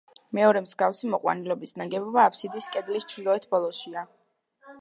მეორე, მსგავსი მოყვანილობის ნაგებობა აფსიდის კედლის ჩრდილოეთ ბოლოშია.